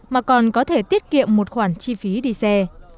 mà còn có thể tiết kiệm một khoản chi phí đi xe